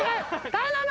頼む。